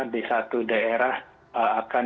di satu daerah akan